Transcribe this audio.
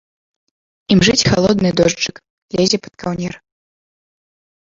Імжыць халодны дожджык, лезе пад каўнер.